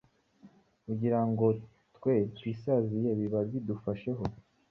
ugira ngo twe twisaziye biba bidufasheho?